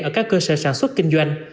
ở các cơ sở sản xuất kinh doanh